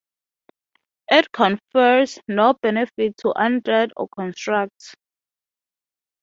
It confers no benefit to undead or constructs.